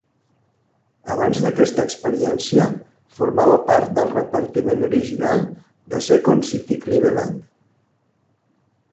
Abans d'aquesta experiència, formava part del repartiment original de Second City Cleveland.